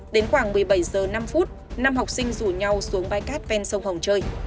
đến khoảng một mươi bảy h năm năm học sinh rủ nhau xuống bãi cát ven sông hồng trời